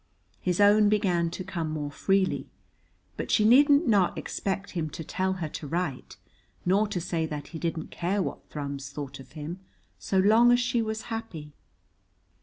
His own began to come more freely. But she needn't not expect him to tell her to write nor to say that he didn't care what Thrums thought of him so long as she was happy.